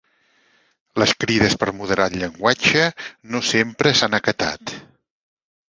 Les crides per moderar el llenguatge no sempre s'han acatat.